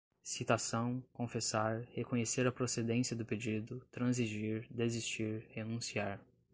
citação, confessar, reconhecer a procedência do pedido, transigir, desistir, renunciar